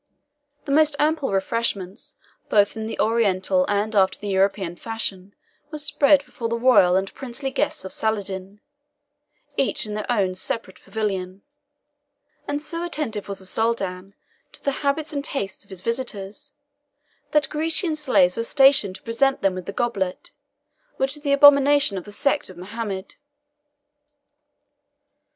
The most ample refreshments, both in the Oriental and after the European fashion, were spread before the royal and princely guests of Saladin, each in their own separate pavilion; and so attentive was the Soldan to the habits and taste of his visitors, that Grecian slaves were stationed to present them with the goblet, which is the abomination of the sect of Mohammed.